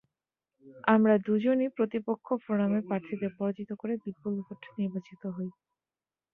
আমরা দুজনই প্রতিপক্ষ ফেরামের প্রার্থীদের পরাজিত করে বিপুল ভোটে নির্বাচিত হই।